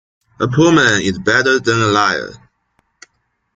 A poor man is better than a liar.